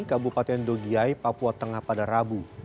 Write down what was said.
kabupaten dogiai papua tengah pada rabu